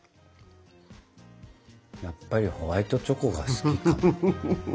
やっぱりホワイトチョコが好きかも。